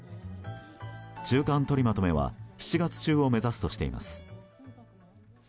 中間とりまとめは７月中を目指すとしています。